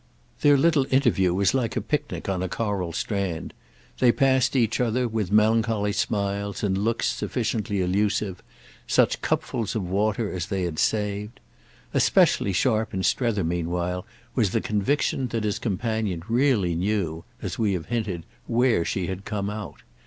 Their little interview was like a picnic on a coral strand; they passed each other, with melancholy smiles and looks sufficiently allusive, such cupfuls of water as they had saved. Especially sharp in Strether meanwhile was the conviction that his companion really knew, as we have hinted, where she had come out.